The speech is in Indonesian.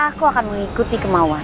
aku akan mengikuti kemauan